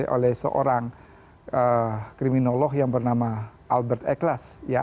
oleh seorang kriminolog yang bernama albert ikhlas